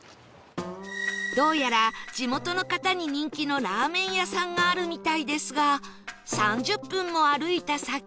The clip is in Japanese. どうやら地元の方に人気のラーメン屋さんがあるみたいですが３０分も歩いた先